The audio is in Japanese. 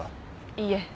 いいえ。